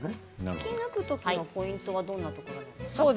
引き抜く時のポイントはどういうところですか？